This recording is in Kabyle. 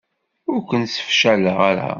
Ur ken-sefcaleɣ ara.